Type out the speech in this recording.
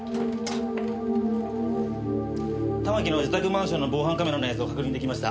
玉木の自宅マンションの防犯カメラの映像確認出来ました。